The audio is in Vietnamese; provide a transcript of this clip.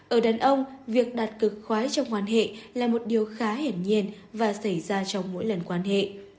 ở đàn ông việc đặt cược khoái trong quan hệ là một điều khá hiển nhiên và xảy ra trong mỗi lần quan hệ